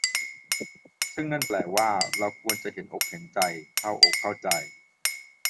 ซึ่งนั่นแปลว่า เราก็ควรจะ เห็นอกเห็นใจ เข้าอกเข้าใจ